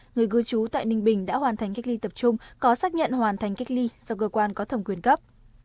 người cư trú tại ninh bình đã hoàn thành cách ly tập trung có xác nhận hoàn thành cách ly do cơ quan có thẩm quyền cấp